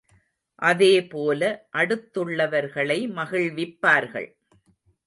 அதே போல அடுத்துள்ளவர்களை மகிழ்விப்பார்கள்.